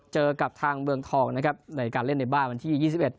เจอกับทางเมืองทองนะครับในการเล่นในบ้านวันที่๒๑